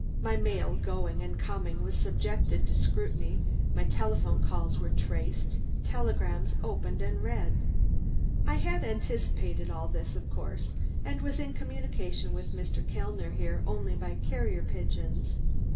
My mail going and coming, was subjected to scrutiny; my telephone calls were traced; telegrams opened and read. I had anticipated all this, of course, and was in communication with Mr. Kellner here only by carrier pigeons."